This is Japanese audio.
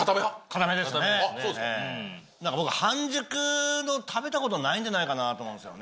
なんか僕、半熟の食べたことないんじゃないかなと思うんですよね。